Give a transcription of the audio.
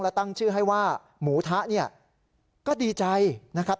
และตั้งชื่อให้ว่าหมูทะเนี่ยก็ดีใจนะครับ